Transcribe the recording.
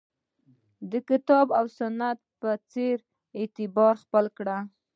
د کتاب او سنت په څېر اعتبار خپل کړ